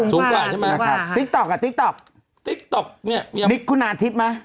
สูงกว่าครับติ๊กต๊อกอะติ๊กต๊อกนิคกุณาทิพย์มั้ย